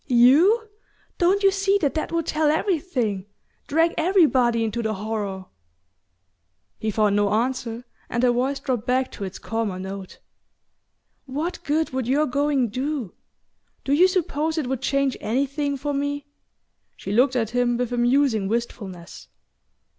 You? Don't you see that that would tell everything drag everybody into the horror?" He found no answer, and her voice dropped back to its calmer note. "What good would your going do? Do you suppose it would change anything for me?" She looked at him with a musing wistfulness.